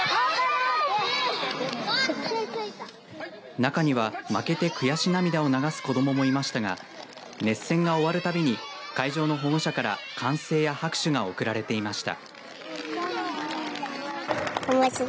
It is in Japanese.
中には、負けて悔し涙を流す子どももいましたが熱戦が終わるたびに会場の保護者から歓声や拍手が送られていました。